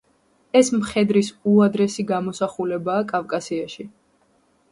ეს მხედრის უადრესი გამოსახულებაა კავკასიაში.